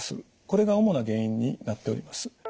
これが主な原因になっております。